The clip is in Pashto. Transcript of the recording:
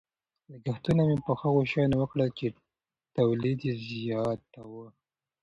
لګښتونه مې په هغو شیانو وکړل چې تولید یې زیاتاوه.